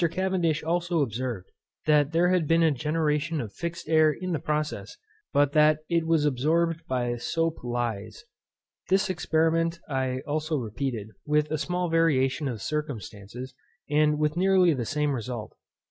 Cavendish also observed, that there had been a generation of fixed air in this process, but that it was absorbed by sope leys. This experiment I also repeated, with a small variation of circumstances, and with nearly the same result.